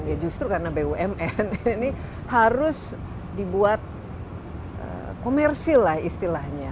ya justru karena bumn ini harus dibuat komersil lah istilahnya